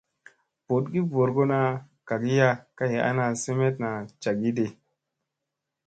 Booɗgi ɓorgona kagiya kay ana semeɗna cagiiɗi.